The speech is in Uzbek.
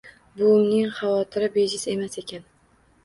Buvimning xavotiri bejiz emas ekan